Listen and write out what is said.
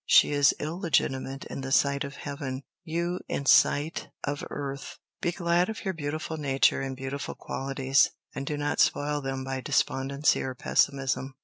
She is illegitimate in the sight of heaven, you in sight of earth. Be glad of your beautiful nature and beautiful qualities, and do not spoil them by despondency or pessimism.